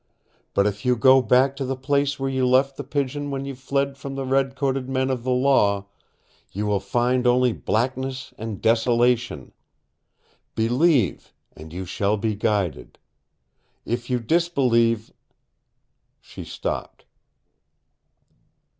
But if you go back to the place where you left The Pigeon when you fled from the red coated men of the law, you will find only blackness and desolation. Believe, and you shall be guided. If you disbelieve " She stopped.